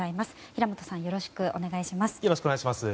平元さんよろしくお願いします。